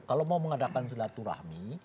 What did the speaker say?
kalau mau mengadakan selatu rahmi